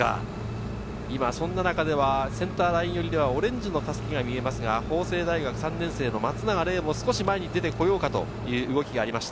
そんな中ではセンターライン寄りではオレンジの襷が見えますが、法政大学３年生・松永伶も少し前に出てこようかという動きがありました。